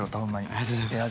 ありがとうございます。